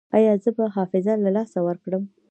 ایا زه به حافظه له لاسه ورکړم؟